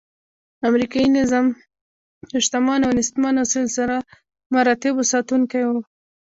امریکایي نظم د شتمنو او نیستمنو سلسله مراتبو ساتونکی و.